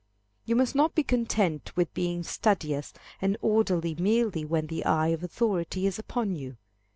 You must not be content with being studious and orderly merely when the eye of authority is upon you.